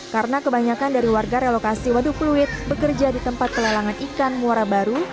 karena kebanyakan dari warga relokasi waduk pluit bekerja di tempat pelelangan ikan muara baru